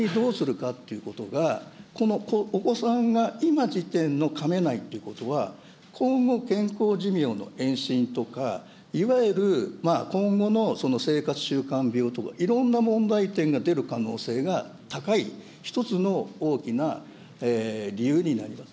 これを本当にどうするかっていうことが、お子さんが今時点のかめないってことは、今後、健康寿命の延伸とか、いわゆる今後の生活習慣病とか、いろんな問題点が出る可能が高い一つの大きな理由になります。